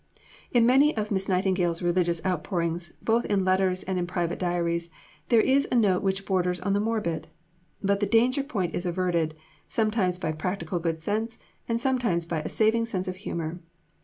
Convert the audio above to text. In many of Miss Nightingale's religious outpourings, both in letters and in private diaries, there is a note which borders on the morbid; but the danger point is averted, sometimes by practical good sense, and sometimes by a saving sense of humour.